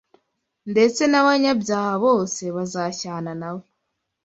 ndetse n’abanyabyaha bose bazashyana nawe